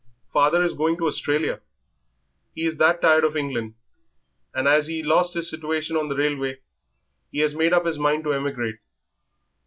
Father is going to Australia. He is that tired of England, and as he lost his situation on the railway he has made up his mind to emigrate.